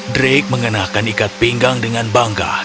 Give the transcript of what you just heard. drake mengenakan ikat pinggang dengan bangga